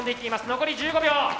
残り５秒。